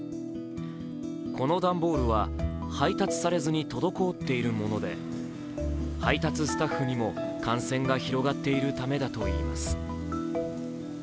この段ボールは配達されずに滞っているもので配達スタッフにも感染が広がっているためだといいます。